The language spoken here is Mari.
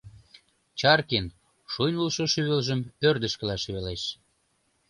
Чаркин шуйнылшо шӱвылжым ӧрдыжкыла шӱвалеш.